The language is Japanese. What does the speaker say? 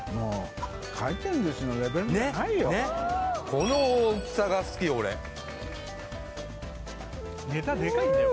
この大きさが好き俺ネタデカいんだよ